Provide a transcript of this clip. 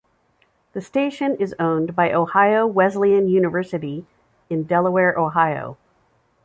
The station is owned by Ohio Wesleyan University in Delaware, Ohio.